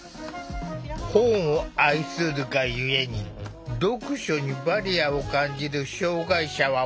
本を愛するがゆえに読書にバリアを感じる障害者は多い。